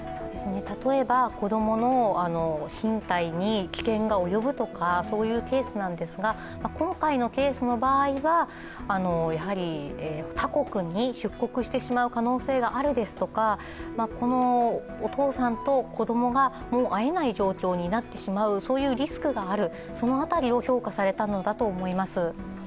例えば子供の身体に危険が及ぶとかそういうケースなんですが今回のケースの場合は、やはり他国に出国してしまう可能性があるですとかお父さんと子供がもう会えない状況になってしまう、そういうリスクがあるその辺りを評価されたのだと思います。